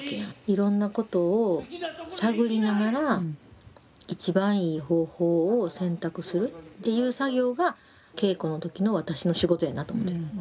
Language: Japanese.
いろんなことを探りながら一番いい方法を選択するっていう作業が稽古の時の私の仕事やなと思てる。